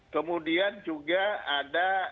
kemudian juga ada